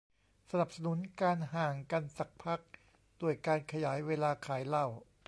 สนับสนุนการ ห่างกันสักพัก ด้วยการขยายเวลาขายเหล้า